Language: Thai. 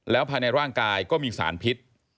ภายในร่างกายก็มีสารพิษ